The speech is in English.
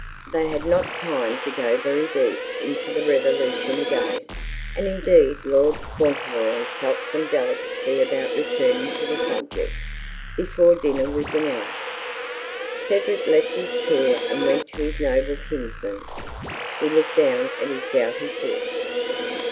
They had not time to go very deep into the Revolution again and indeed Lord Fauntleroy felt some delicacy about returning to the subject before dinner was announced. Cedric left his chair and went to his noble kinsman. He looked down at his gouty foot.